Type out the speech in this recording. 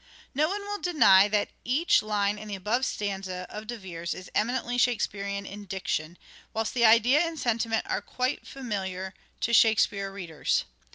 No one will deny that each line in the above stanza of De Vere's is eminently Shakespearean in diction, whilst the idea and sentiment are quite familiar to LYRIC POETRY OF EDWARD DE VERE 193 Shakespeare readers.